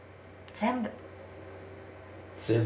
全部？